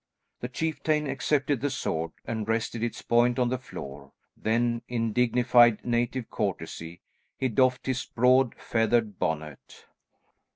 The chieftain accepted the sword and rested its point on the floor, then in dignified native courtesy, he doffed his broad, feathered bonnet.